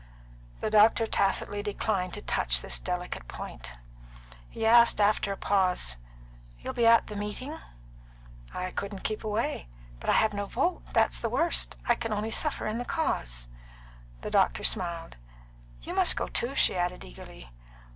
The doctor tacitly declined to touch this delicate point. He asked, after a pause, "You'll be at the meeting?" "I couldn't keep away. But I've no vote, that's the worst. I can only suffer in the cause." The doctor smiled. "You must go, too," she added eagerly.